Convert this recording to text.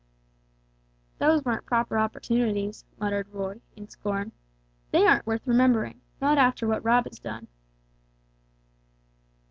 "Those weren't proper opportunities," muttered Roy in scorn, "they aren't worth remembering; not after what Rob has done."